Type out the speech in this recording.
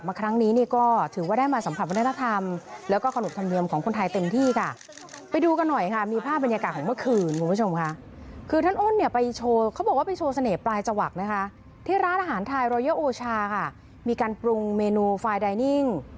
มีการปรุงเมนูไฟล์ดาินิ่ง